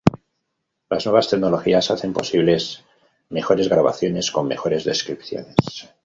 Las nuevas tecnologías hacen posibles mejores grabaciones con mejores descripciones.